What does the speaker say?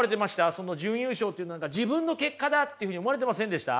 その準優勝というのは何か自分の結果だっていうふうに思われてませんでした？